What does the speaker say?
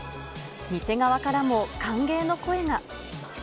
店側からも歓迎の声が。